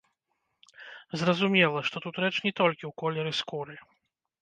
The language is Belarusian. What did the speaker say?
Зразумела, што тут рэч не толькі ў колеры скуры.